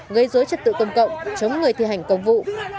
gây dối trật tự công cộng chống người thi hành công vụ